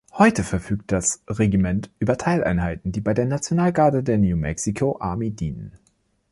Heute verfügt das Regiment über Teileinheiten, die bei der Nationalgarde der New Mexico Army dienen.